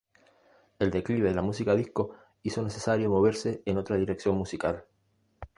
El declive de la música disco hizo necesario moverse en otra dirección musical.